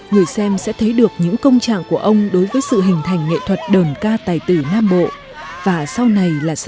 người xem sẽ thấy được những công trạng của ông đối với sự hình thành nghệ thuật đờn ca tài tử này